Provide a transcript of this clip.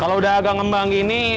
kalau sudah agak ngembang ini